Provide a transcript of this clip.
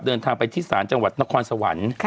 เดินทางไปที่ศาลจังหวัดนครสวรรค์